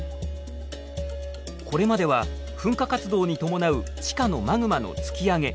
これまでは噴火活動に伴う地下のマグマの突き上げ